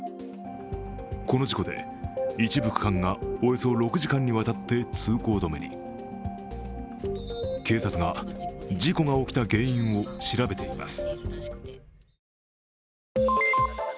この事故で一部区間がおよそ６時間にわたって通行止めに警察が事故が起きた原因を調べています。